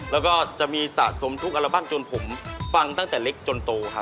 แล้วก็จะมีสะสมทุกอัลบั้มจนผมฟังตั้งแต่เล็กจนโตครับ